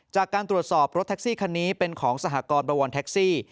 จากการตรวจสอบรถแท็กซี่คันนี้เป็นของสหกรณ์บวรแท็กซี่